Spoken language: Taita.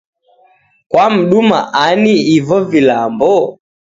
Kwamduma ani hivo vilambo?